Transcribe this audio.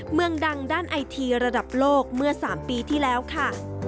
เมืองดังด้านไอทีระดับโลกเมื่อ๓ปีที่แล้วค่ะ